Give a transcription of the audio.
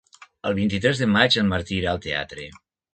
El vint-i-tres de maig en Martí irà al teatre.